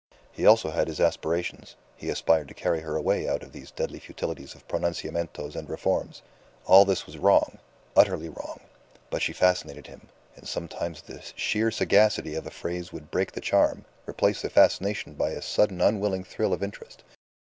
He also had his aspirations, he aspired to carry her away out of these deadly futilities of pronunciamientos and reforms. All this was wrong utterly wrong; but she fascinated him, and sometimes the sheer sagacity of a phrase would break the charm, replace the fascination by a sudden unwilling thrill of interest.